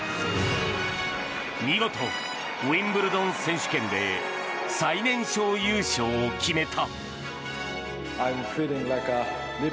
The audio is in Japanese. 見事、ウィンブルドン選手権で最年少優勝を決めた。